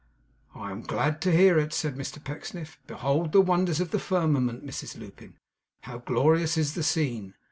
'I am glad to hear it,' said Mr Pecksniff. 'Behold the wonders of the firmament, Mrs Lupin! how glorious is the scene!